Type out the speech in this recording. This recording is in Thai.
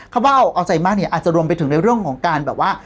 คำว่าเอาใจมากเนี่ยอาจจะรวมไปถึงในเรื่องของการแบบว่า